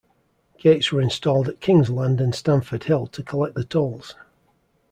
Gates were installed at Kingsland and Stamford Hill to collect the tolls.